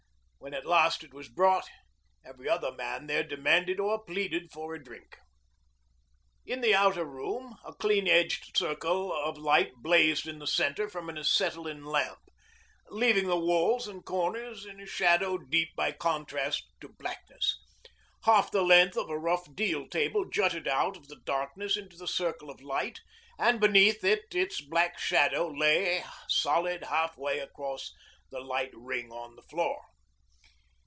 When at last it was brought, every other man there demanded or pleaded for a drink. In the other room a clean edged circle of light blazed in the centre from an acetylene lamp, leaving the walls and corners in a shadow deep by contrast to blackness. Half the length of a rough deal table jutted out of the darkness into the circle of light, and beneath it its black shadow lay solid half way across the light ring on the floor.